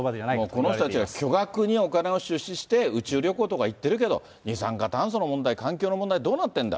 この人たちは巨額にお金を出資して宇宙旅行とかいってるけど二酸化炭素の問題、環境の問題どうなってんだ。